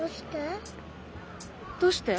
どうして？